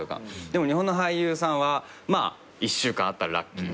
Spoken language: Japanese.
でも日本の俳優さんは１週間あったらラッキー。